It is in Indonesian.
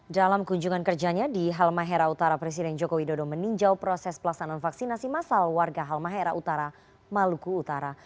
dalam kunjungan kerjanya di halmahera utara presiden joko widodo meninjau proses pelaksanaan vaksinasi masal warga halmahera utara maluku utara